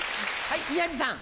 はい。